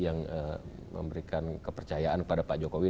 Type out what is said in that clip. yang memberikan kepercayaan kepada pak jokowi